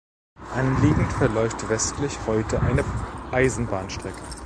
Anliegend verläuft westlich heute eine Eisenbahnstrecke.